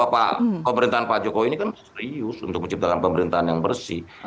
pemerintahan pak jokowi ini kan serius untuk menciptakan pemerintahan yang bersih